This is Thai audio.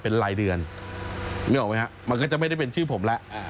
เป็นรายเดือนนึกออกไหมฮะมันก็จะไม่ได้เป็นชื่อผมแล้ว